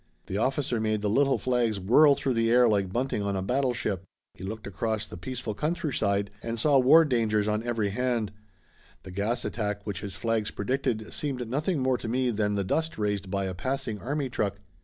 The officer made the little flags whirl through the air like bunting on a battleship. He looked across the peaceful countryside and saw war dangers on every hand. The gas attack which his flags predicted seemed nothing more to me than the dust raised by a passing army truck.